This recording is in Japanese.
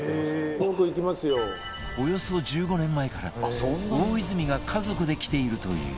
およそ１５年前から大泉が家族で来ているという